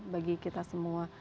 bagi kita semua